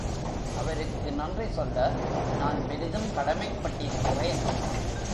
அவருக்கு நன்றி சொல்ல நான் பெரிதும் கடமைப்பட்டிருக்கிறேன்.